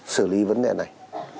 sử lý vấn đề này